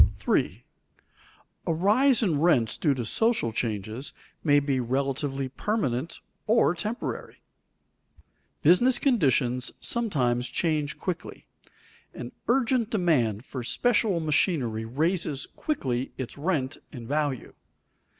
[Sidenote: Sudden variations in demand] 3. A rise in rents due to social changes may be relatively permanent or temporary. Business conditions sometimes change quickly. An urgent demand for special machinery raises quickly its rent and value.